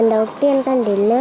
con thấy thế nào